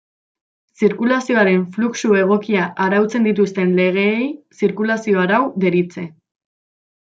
Zirkulazioaren fluxu egokia arautzen dituzten legeei zirkulazio arau deritze.